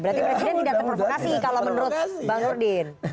berarti presiden tidak terprovokasi kalau menurut bang nurdin